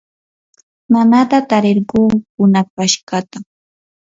nanata tarirquu punukashqatam